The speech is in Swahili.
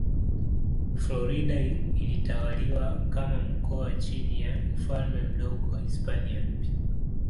Florida ilitawaliwa kama mkoa chini ya Ufalme Mdogo wa Hispania Mpya.